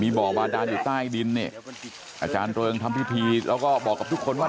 บ่อบาดานอยู่ใต้ดินเนี่ยอาจารย์เริงทำพิธีแล้วก็บอกกับทุกคนว่า